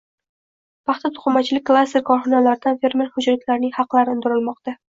Paxta-to‘qimachilik klaster korxonalaridan fermer xo‘jaliklarining haqlari undirilmoqda